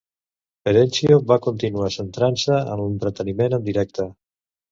Perenchio va continuar centrant-se en l'entreteniment en directe.